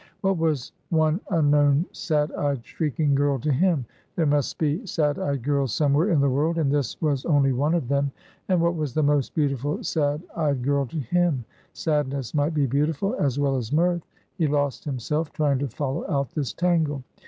What was one unknown, sad eyed, shrieking girl to him? There must be sad eyed girls somewhere in the world, and this was only one of them. And what was the most beautiful sad eyed girl to him? Sadness might be beautiful, as well as mirth he lost himself trying to follow out this tangle.